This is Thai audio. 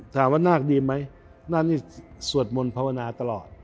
ถามว่านาคดีไหมนาคนี่สวดมนต์ภาวนาตลอด